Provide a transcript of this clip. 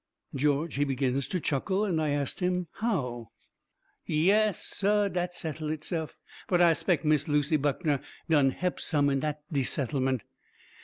George, he begins to chuckle, and I ast him how. "Yass, SAH, dat settle HITse'f. But I 'spec' Miss Lucy Buckner done he'p some in de settleMENT.